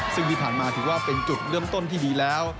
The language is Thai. ซึ่งที่ผ่านมาถือว่าเป็นจุดเริ่มต้นที่ดีแล้ว